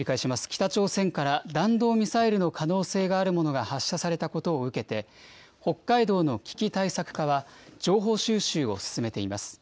北朝鮮から弾道ミサイルの可能性があるものが発射されたことを受けて、北海道の危機対策課は、情報収集を進めています。